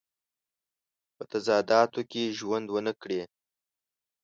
په تضاداتو کې ژوند ونه کړي.